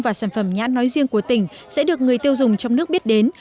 và sản phẩm nhãn nói riêng của tỉnh sẽ được người tiêu dùng trong nước biết đến